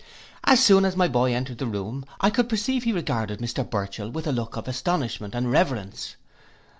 As soon as my boy entered the room, I could perceive he regarded Mr Burchell with a look of astonishment and reverence.